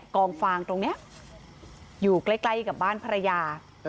งฟางตรงนี้อยู่ใกล้กับบ้านภรรยา